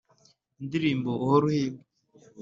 indirimbo uhora uhimba